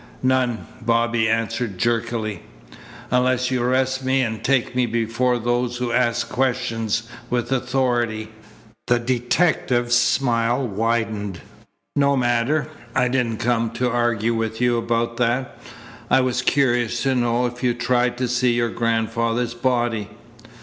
"None," Bobby answered jerkily, "unless you arrest me and take me before those who ask questions with authority." The detective's smile widened. "No matter. I didn't come to argue with you about that. I was curious to know if you'd tried to see your grandfather's body."